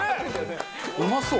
うまそう。